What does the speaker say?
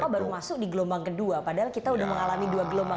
baru masuk di gelombang kedua padahal kita sudah mengalami dua gelombang